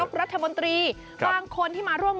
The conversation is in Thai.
กลายเป็นประเพณีที่สืบทอดมาอย่างยาวนาน